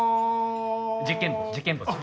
『事件簿』『事件簿』です。